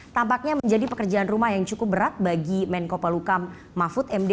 tampaknya menjadi pekerjaan rumah yang cukup berat bagi menko palukam mahfud md